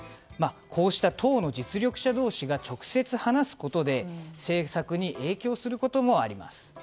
こうした党の実力者同士が直接話すことで政策に影響することもあります。